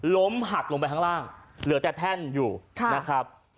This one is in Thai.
ล้มหักลงไปข้างล่างเหลือแต่แท่นอยู่นะครับ